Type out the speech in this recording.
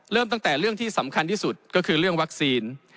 เริ่มตั้งแต่เรื่องที่สำคัญที่สุดก็คือเรื่องวัคซีน